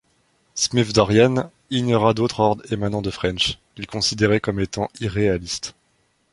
Smith-Dorrien ignora d'autres ordres émanant de French, qu'il considérait comme étant irréalistes.